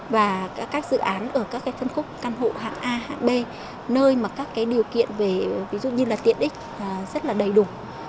và các dự án ở các phân khúc căn hộ hạng a hạng b nơi mà các điều kiện về ví dụ như là tiện ích rất là đầy đủ